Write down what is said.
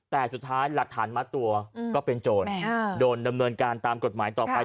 แต่สุดท้ายหลักฐานมัดตัวก็เป็นโจรโดนดำเนินการตามกฎหมายต่อไป